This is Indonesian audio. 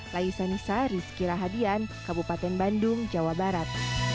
laisa nisari sekirahadian kabupaten bandung jawa barat